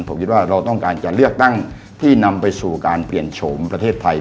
ผมคิดว่าเราต้องการจะเลือกตั้งที่นำไปสู่การเปลี่ยนโฉมประเทศไทย